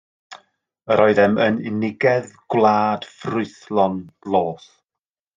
Yr oeddem yn unigedd gwlad ffrwythlon dlos.